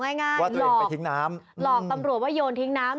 เอาง่ายหลอกตำรวจทิ้งน้ำ